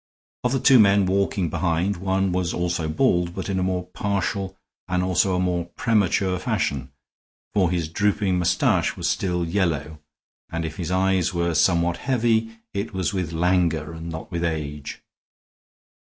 Of the two men walking behind one was also bald, but in a more partial and also a more premature fashion, for his drooping mustache was still yellow, and if his eyes were somewhat heavy it was with languor and not with age.